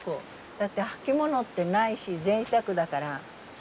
だって履き物ってないしぜいたくだから。